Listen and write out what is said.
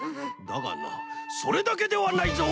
だがなそれだけではないぞ！